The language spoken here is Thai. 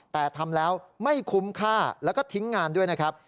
แต่ทำแล้วไม่คุ้มค่าแล้วก็ทิ้งงานด้วยนะครับ